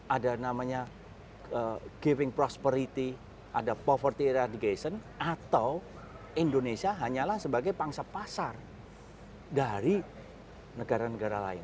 ada namanya giving prosperity ada poverty radication atau indonesia hanyalah sebagai pangsa pasar dari negara negara lain